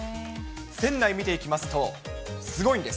船内見ていきますと、すごいんです。